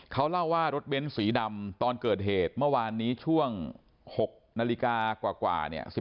เขาเล่าว่ารถเบ้นสีดำตอนเกิดเหตุเมื่อวานนี้ช่วง๖นาฬิกากว่าเนี่ย